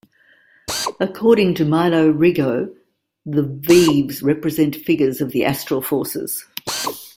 According to Milo Rigaud The veves represent figures of the astral forces...